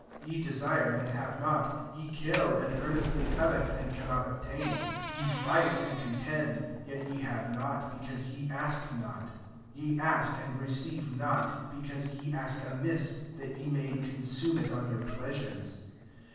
2 Yc desire, and have not : ye kill, and earn estly covet, and cannot obtain: ye fight and contend ; yet yc have not, because ye ask not S Ye ask, and receive not; be cause ye ask amiss, that ye may consume it on your pleasures.